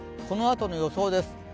このあとの予想です。